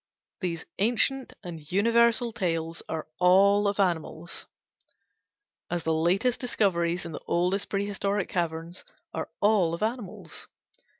These ancient and universal tales are all of animals; as the latest discoveries in the oldest pre historic caverns are all of animals.